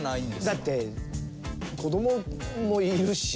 だって子どももいるし。